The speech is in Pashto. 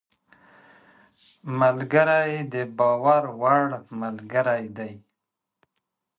ملګری د باور وړ ملګری دی